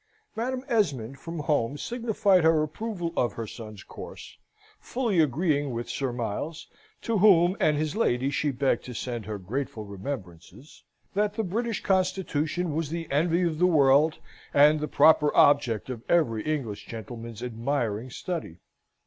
Madam Esmond from home signified her approval of her son's course, fully agreeing with Sir Miles (to whom and his lady she begged to send her grateful remembrances) that the British Constitution was the envy of the world, and the proper object of every English gentleman's admiring study.